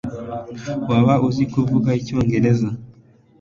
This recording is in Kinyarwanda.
waba uzi kuvuga icyongereza